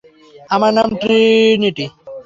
আমার নাম ট্রিনিটি!